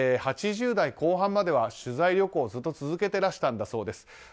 ８０代後半までは取材旅行をずっと続けていらっしゃったそうです。